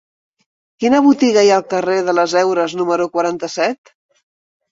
Quina botiga hi ha al carrer de les Heures número quaranta-set?